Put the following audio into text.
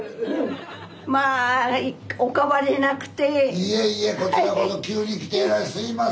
いえいえこちらこそ急に来てえらいすいません。